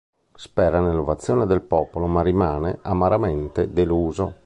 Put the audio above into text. Spera nell'ovazione del popolo, ma rimane amaramente deluso.